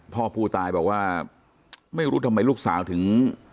พ่อผู้ตายบอกว่าไม่รู้ทำไมลูกสาวถึง